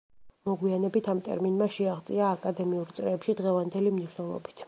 მოგვიანებით ამ ტერმინმა შეაღწია აკადემიურ წრეებში დღევანდელი მნიშვნელობით.